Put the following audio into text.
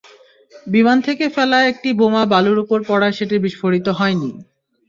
বিমান থেকে ফেলা একটি বোমা বালুর ওপর পড়ায় সেটি বিস্ফোরিত হয়নি।